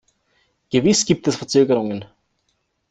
Gewiss gibt es Verzögerungen.